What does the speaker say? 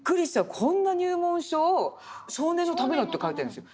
こんな入門書を少年のためだって描いてるんですよ。